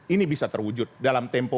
ini bisa terwujud dalam tempo